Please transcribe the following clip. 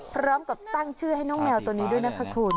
พร้อมกับตั้งชื่อให้น้องแมวตัวนี้ด้วยนะคะคุณ